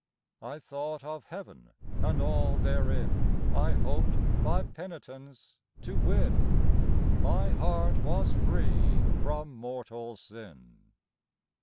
I thought of Heaven, and all therein I hoped by penitence to win; My heart was free from mortal sin.